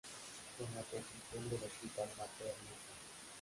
Con la construcción del Hospital Materno Infantil.